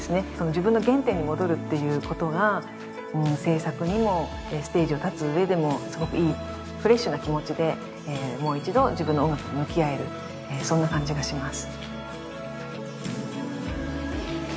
自分の原点に戻るっていうことが制作にもステージを立つ上でもすごくいいフレッシュな気持ちでもう一度自分の音楽に向き合えるそんな感じがします